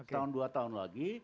tahun dua tahun lagi